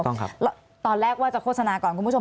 ตอนแรกว่าจะโฆษณาก่อนคุณผู้ชม